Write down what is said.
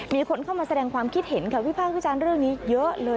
มีคนเข้ามาแสดงความคิดเห็นค่ะวิพากษ์วิจารณ์เรื่องนี้เยอะเลย